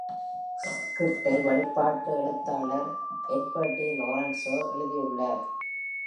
ஸ்கிரிப்டை வழிபாட்டு எழுத்தாளர் எட்வர்ட் டி லோரென்சோ எழுதியுள்ளார்.